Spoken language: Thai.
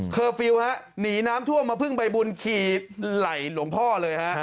เคอร์ฟิลหนีน้ำท่วงมาพึ่งใบบุญขี่ไหล่หลวงพ่อเลย